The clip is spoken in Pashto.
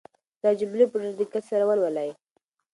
دا جملې په ډېر دقت سره ولولئ.